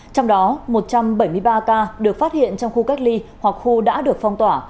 trong đó một trăm bảy mươi ba ca được phát hiện trong khu cách ly hoặc khu đã được phong tỏa